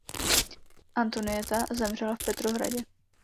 Antoinetta zemřela v Petrohradě.